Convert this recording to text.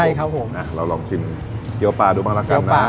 ใช่ครับผมอ่ะเราลองชิมเกี้ยวปลาดูบ้างละกันนะ